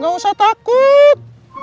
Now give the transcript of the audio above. gak usah takut